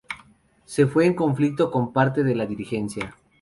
Se fue en conflicto con parte de la dirigencia.